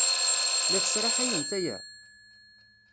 La tesraḥayemt aya?